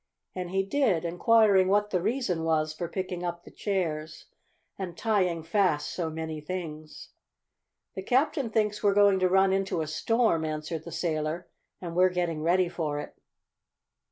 And he did, inquiring what the reason was for picking up the chairs and tying fast so many things. "The captain thinks we're going to run into a storm," answered the sailor, "and we're getting ready for it."